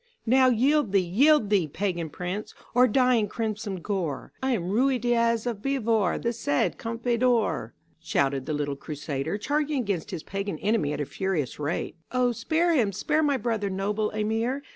"Now yield thee, yield thee, pagan prince. Or die in crimson gore; I am Ruy Diaz of Bivar, The Cid Campeador!" shouted the little crusader, charging against his pagan enemy at a furious rate. "O spare him, spare my brother, noble emir.